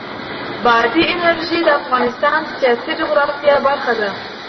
بادي انرژي د افغانستان د سیاسي جغرافیه برخه ده.